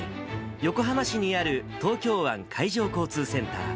横浜市にある東京湾海上交通センター。